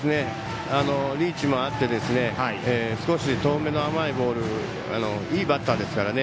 リーチもあって少し甘いボールいいバッターですからね。